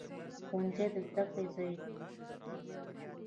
ښوونځی د زده کړې ځای دی